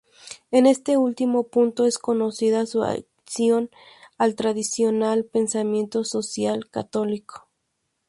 En este último punto es conocida su adhesión al tradicional pensamiento social católico.